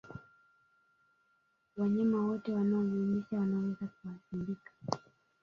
Wanyama wote wanaonyonyesha wanaweza kuathirika